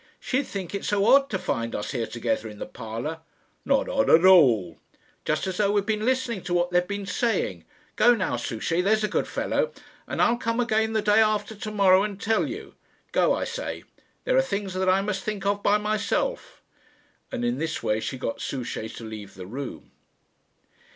"She'd think it so odd to find us here together in the parlour." "Not odd at all." "Just as though we'd been listening to what they'd been saying. Go now, Souchey there's a good fellow; and I'll come again the day after to morrow and tell you. Go, I say. There are things that I must think of by myself." And in this way she got Souchey to leave the room.